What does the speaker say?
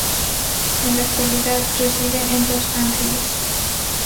En la actualidad reside en Los Ángeles.